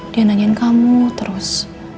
dia nanya kamu terus